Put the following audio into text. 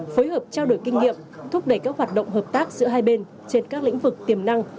phối hợp trao đổi kinh nghiệm thúc đẩy các hoạt động hợp tác giữa hai bên trên các lĩnh vực tiềm năng